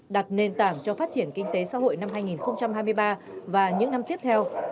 đặt nền tảng cho phát triển kinh tế xã hội năm hai nghìn hai mươi ba và những năm tiếp theo